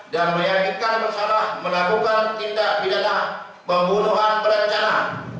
dan meyakinkan bersalah melakukan tindak pidana pembunuhan berencana